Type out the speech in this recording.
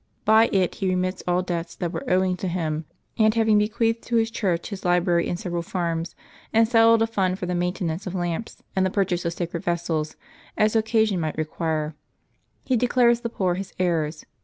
By it he remits all debts that were owing to him ; and having bequeathed to his church his library and several farms, and settled a fund for the maintenance of lamps, and the purchase of sacred vessels, as occasion might require, he declares the poor his heirs.